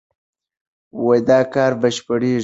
دا کار بشپړېږي.